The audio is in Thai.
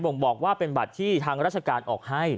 ่งบอกว่าเป็นบัตรที่ทางราชการออกให้